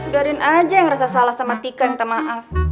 biarin aja yang rasa salah sama tika minta maaf